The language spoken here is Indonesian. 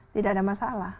tidak ada masalah